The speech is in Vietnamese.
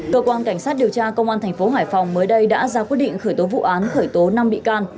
cơ quan cảnh sát điều tra công an thành phố hải phòng mới đây đã ra quyết định khởi tố vụ án khởi tố năm bị can